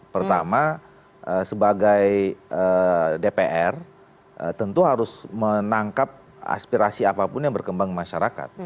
pertama sebagai dpr tentu harus menangkap aspirasi apapun yang berkembang di masyarakat